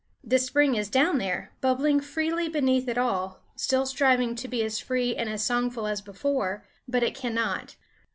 The spring is down there, bubbling freely beneath it all, still striving to be as free and as songful as before; but it cannot.